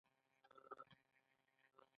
افغانستان د وادي د پلوه ځانته ځانګړتیا لري.